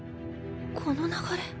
この流れ